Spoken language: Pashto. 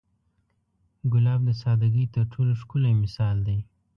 ګلاب د سادګۍ تر ټولو ښکلی مثال دی.